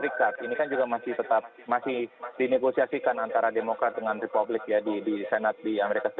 ini kan juga masih tetap masih dinegosiasikan antara demokrat dengan republik ya di senate di as